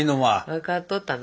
分かっとったな。